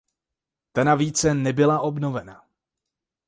Ta více nebyla obnovena.